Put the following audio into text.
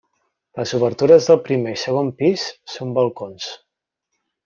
Les obertures del primer i segon pis són balcons.